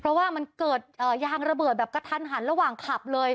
เพราะว่ามันเกิดยางระเบิดแบบกระทันหันระหว่างขับเลย